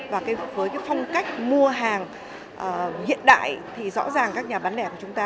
và với cái phong cách mua hàng hiện đại thì rõ ràng các nhà bán lẻ của chúng ta